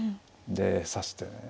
で指してね